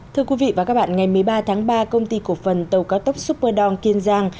thưa quý vị và các bạn ngày một mươi ba tháng ba công ty cổ phần tàu cao tốc superdong kiên giang